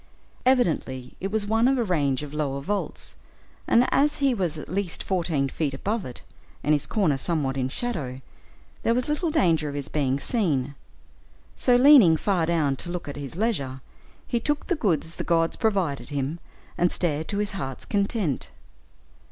Evidently it was one of a range of lower vaults, and as he was at least fourteen feet above it, and his corner somewhat in shadow, there was little danger of his being seen. So, leaning far down to look at his leisure, he took the goods the gods provided him, and stared to his heart's content.